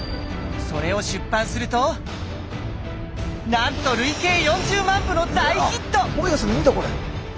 それを出版するとなんと累計４０万部の大ヒット！